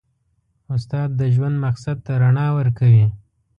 استاد د ژوند مقصد ته رڼا ورکوي.